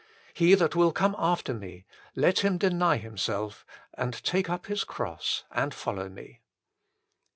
He that will come after Me, let him deny himself, and take up his cross, and follow ME."